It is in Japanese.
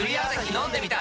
飲んでみた！